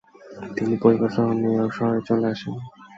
তিনি পরিবারসহ New York শহরে চলে আসেন।